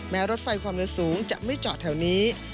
รถไฟความเร็วสูงจะไม่จอดแถวนี้